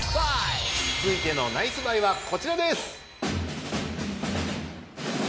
続いてのナイスバイはこちらです。